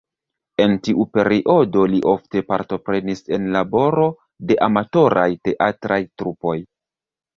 En tiu periodo li ofte partoprenis en laboro de amatoraj teatraj trupoj.